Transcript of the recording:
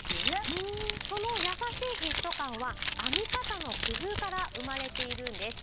その優しいフィット感は編み方の工夫から生まれているんです。